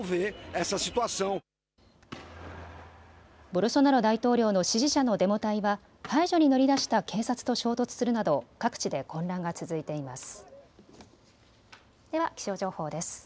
ボルソナロ大統領の支持者のデモ隊は排除に乗り出した警察と衝突するなど各地で混乱が続いています。